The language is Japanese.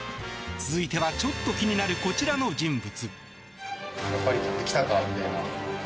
続いてはちょっと気になるこちらの人物。